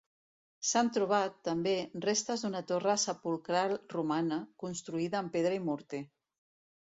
S'han trobat, també, restes d'una torre sepulcral romana, construïda amb pedra i morter.